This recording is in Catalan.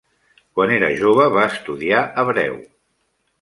Quan era jove va estudiar hebreu.